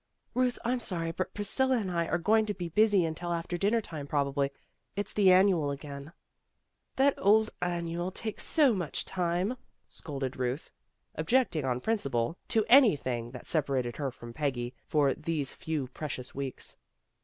"Ruth, I'm sorry, but Priscilla and I are going to be busy until after dinner time, probably. It's the Annual again." "That old Annual takes so much time," scolded Ruth, objecting on principle to any 256 PEGGY RAYMOND'S WAY thing that separated her from Peggy for these few precious weeks.